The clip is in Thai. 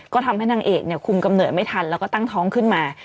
ก็ทำให้นางเอกเนี่ยคุมกำเนิดไม่ทันแล้วก็ตั้งท้องขึ้นมา